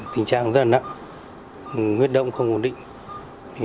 tình trạng rất là nặng huyết động không ổn định